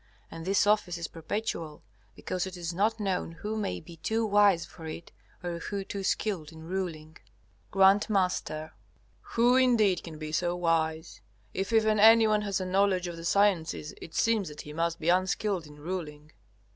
And this office is perpetual, because it is not known who may be too wise for it or who too skilled in ruling. G.M. Who indeed can be so wise? If even anyone has a knowledge of the sciences it seems that he must be unskilled in ruling.